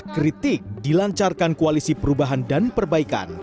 ketika ketiga perubahan dan perbaikan